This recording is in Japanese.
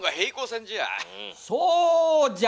そうじゃ！